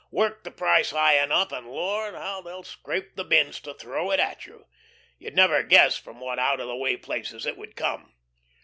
Work the price high enough, and, Lord, how they'll scrape the bins to throw it at you! You'd never guess from what out of the way places it would come."